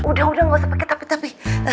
udah udah gak usah pakai tapi tapi